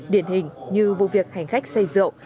điển hình như vụ việc hành khách xây rượu